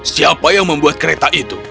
siapa yang membuat kereta itu